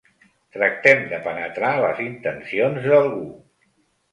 Tractem de penetrar les intencions d'algú.